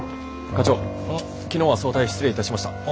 課長昨日は早退失礼いたしました。